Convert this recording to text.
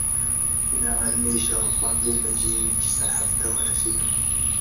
د غرمې شاوخوا دوې بجې وې چې سرحد ته ورسېدو.